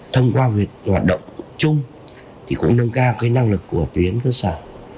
thông qua việc hoạt động chung thì cũng nâng cao cái năng lực của tuyển cơ sở